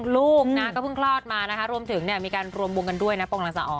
ลูกนะก็เพิ่งคลอดมานะคะรวมถึงมีการรวมวงกันด้วยนะโปรงหลังสะอ๋